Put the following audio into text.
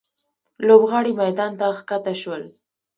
لوبغاړي میدان ته ښکته شول.